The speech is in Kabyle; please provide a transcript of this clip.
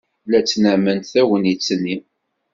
La ttnament tagnit-nni.